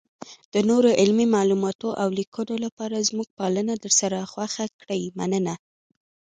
-دنورو علمي معلوماتو اولیکنو لپاره زمونږ پاڼه درسره خوښه کړئ مننه.